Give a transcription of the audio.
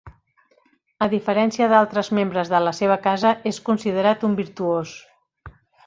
A diferència d'altres membres de la seva casa és considerat virtuós.